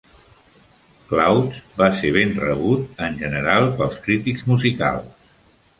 "Clouds" va ser ben rebut en general pels crítics musicals.